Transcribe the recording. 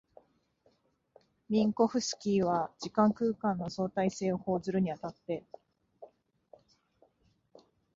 ミンコフスキーは時間空間の相対性を講ずるに当たって、